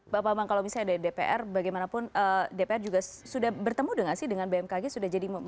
pak bambang kalau misalnya ada dpr bagaimanapun dpr juga sudah bertemu dengan bmkg sudah jadi memanjir bmkg